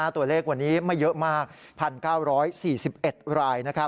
ตัวเลขวันนี้ไม่เยอะมาก๑๙๔๑ราย